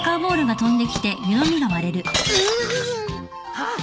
あっ！